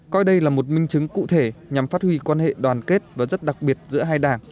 coi đây là một minh chứng cụ thể nhằm phát huy quan hệ đoàn kết và rất đặc biệt giữa hai đảng